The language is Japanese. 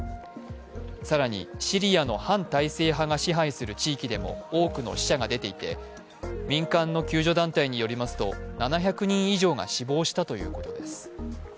更に、シリアの反体制派が支配する地域でも多くの死者が出ていて民間の救助団体によりますと７００人以上が死亡したということです。